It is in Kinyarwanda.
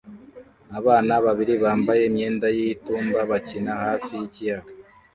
Abana babiri bambaye imyenda y'itumba bakina hafi yikiyaga